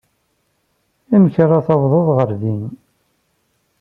Amek ara tawḍeḍ ɣer din?